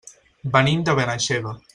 Venim de Benaixeve.